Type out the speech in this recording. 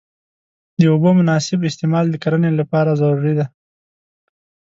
د اوبو مناسب استعمال د کرنې لپاره ضروري دی.